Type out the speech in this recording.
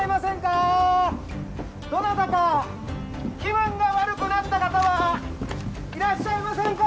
どなたか気分が悪くなった方はいらっしゃいませんか？